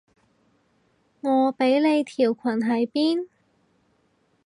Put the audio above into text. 我畀你條裙喺邊？